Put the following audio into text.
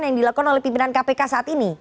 yang dilakukan oleh pimpinan kpk saat ini